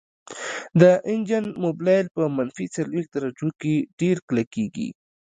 د انجن موبلاین په منفي څلوېښت درجو کې ډیر کلکیږي